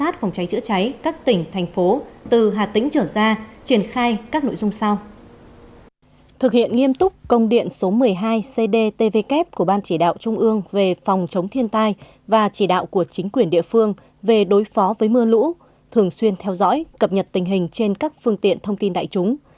thực hiện nghiêm túc công điện số một mươi hai cdtvk của ban chỉ đạo trung ương về phòng chống thiên tai và chỉ đạo của chính quyền địa phương về đối phó với mưa lũ thường xuyên theo dõi cập nhật tình hình trên các phương tiện thông tin đại chúng